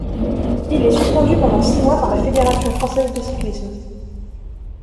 Il est suspendu pendant six mois par la Fédération française de cyclisme.